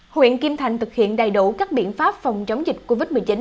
huyện kim thành thực hiện đầy đủ các biện pháp phòng chống dịch covid một mươi chín